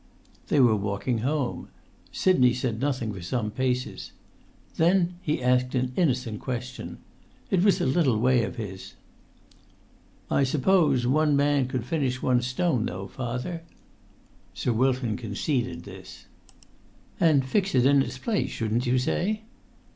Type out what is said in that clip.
They were walking home. Sidney said nothing for some paces. Then he asked an innocent question. It was a little way of his. "I suppose one man could finish one stone, though, father?" [Pg 126]Sir Wilton conceded this. "And fix it in its place, shouldn't you say?"